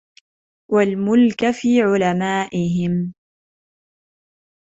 وَالْمُلْكَ فِي عُلَمَائِهِمْ